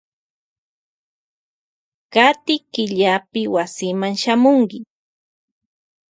Kati killapi shamunki wasima.